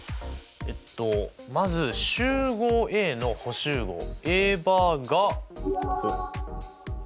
えっとまず集合Ａの補集合Ａバーがこう。